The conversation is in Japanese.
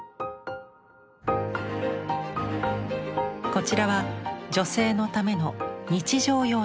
こちらは女性のための日常用の義足。